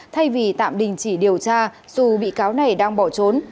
thay vì tạm đình chỉ điều tra dù bị cáo này đang bỏ trốn